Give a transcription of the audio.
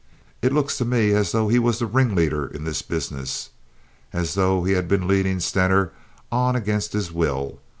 It looks to me as though he was the ringleader in this business, as though he had been leadin' Stener on against his will.